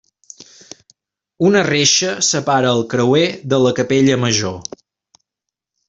Una reixa separa el creuer de la capella major.